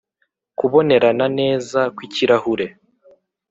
kubonerana neza kwikirahure,